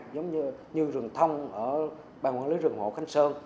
giống như rừng thông ở bang quản lý rừng hộ khánh sơn